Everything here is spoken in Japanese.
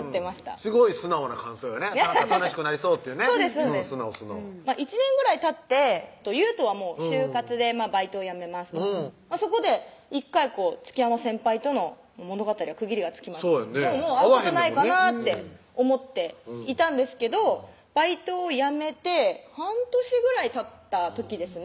すごい素直な感想やね楽しくなりそうってね素直素直１年ぐらいたって祐人は就活でバイトを辞めますとそこで１回築山先輩との物語は区切りがつきますもう会うことないかなって思っていたんですけどバイトを辞めて半年ぐらいたった時ですね